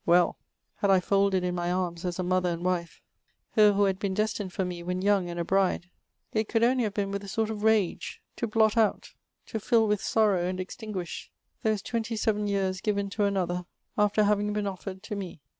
Well ! had I folded in my arms as a mother and wife, her who had been destined for me when young and a bride, it could only have been with a sort of rage, to blot out, to fill with sorrow, and extinguish, those twenty seven years given to another, after having been offered to me.